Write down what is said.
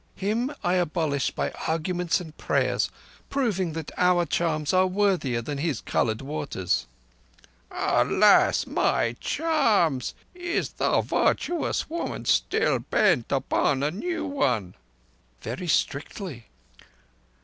Him I abolished by arguments and prayers, proving that our charms are worthier than his coloured waters." "Alas, my charms! Is the virtuous woman still bent upon a new one?" "Very strictly."